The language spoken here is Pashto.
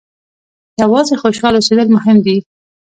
یوازې خوشاله اوسېدل مهم دي.